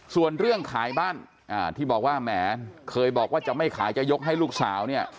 ส่วนเรื่องขายบ้านที่บอกว่าแหมเคยบอกว่าจะไม่ขายจะยกให้ลูกสาวเนี่ย